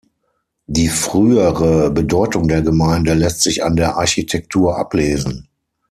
Die frühere Bedeutung der Gemeinde lässt sich an der Architektur ablesen.